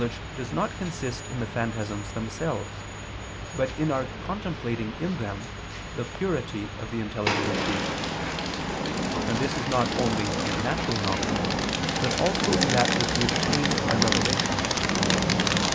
Yet intellectual knowledge does not consist in the phantasms themselves, but in our contemplating in them the purity of the intelligible truth: and this not only in natural knowledge, but also in that which we obtain by revelation.